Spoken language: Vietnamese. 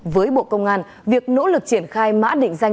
với bộ công an việc nỗ lực triển khai mã định danh